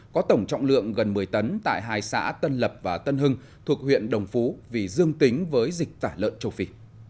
có tổng trọng lượng gần một mươi tấn tại hai xã tân lập và tân hưng thuộc huyện đồng phú vì dương tính với dịch tả lợn châu phi